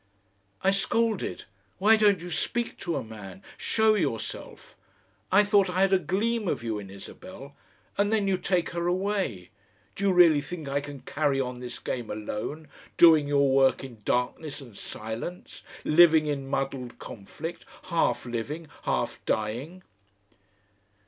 I scolded. "Why don't you speak to a man, show yourself? I thought I had a gleam of you in Isabel, and then you take her away. Do you really think I can carry on this game alone, doing your work in darkness and silence, living in muddled conflict, half living, half dying?"